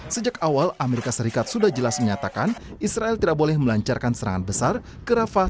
sejak awal amerika serikat sudah jelas menyatakan israel tidak boleh melancarkan serangan besar ke rafael